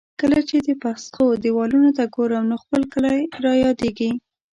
کله چې د پسخو دېوالونو ته ګورم، نو خپل کلی را یادېږي.